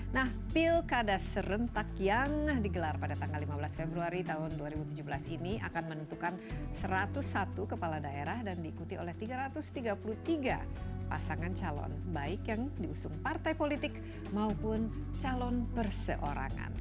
nah pilkada serentak yang digelar pada tanggal lima belas februari tahun dua ribu tujuh belas ini akan menentukan satu ratus satu kepala daerah dan diikuti oleh tiga ratus tiga puluh tiga pasangan calon baik yang diusung partai politik maupun calon perseorangan